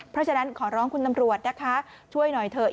เพราะฉะนั้นขอร้องคุณตำรวจนะคะช่วยหน่อยเถอะ